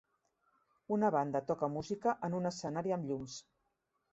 Una banda toca música en un escenari amb llums.